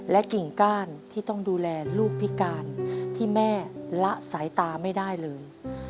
กิ่งก้านที่ต้องดูแลลูกพิการที่แม่ละสายตาไม่ได้เลย